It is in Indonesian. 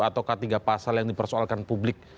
ataukah tiga pasal yang dipersoalkan publik